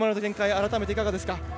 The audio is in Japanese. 改めていかがですか。